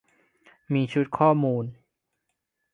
มีชุดข้อมูล